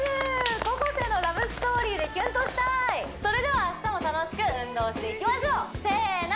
高校生のラブストーリーでキュンとしたーいそれでは明日も楽しく運動していきましょうせーの！